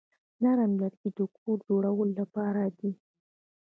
نرم لرګي د کور جوړولو لپاره دي.